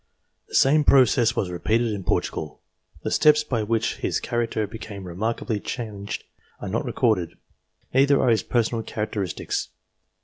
The same process was repeated in Portugal. The steps by which his character became remarkably changed are not recorded, neither are his personal characteristics.